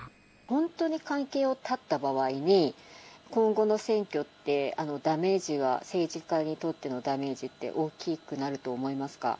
本当に関係を断った場合に、今後の選挙ってダメージは、政治家にとってのダメージって大きくなると思いますか。